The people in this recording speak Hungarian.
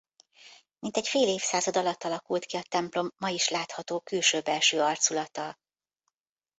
Mintegy fél évszázad alatt alakult ki a templom ma is látható külső-belső arculata.